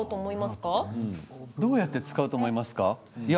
どうやって使うと思いますか？